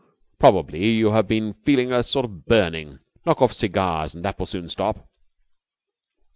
Probably you have been feeling a sort of burning. Knock off cigars and that will soon stop."